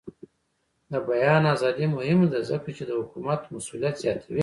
د بیان ازادي مهمه ده ځکه چې د حکومت مسؤلیت زیاتوي.